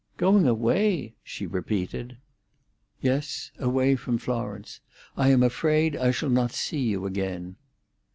"Going away!" she repeated. "Yes—away from Florence. I'm afraid I shall not see you again."